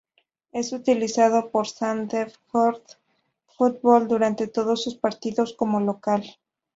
Es utilizado por el Sandefjord Fotball durante todos sus partidos como local.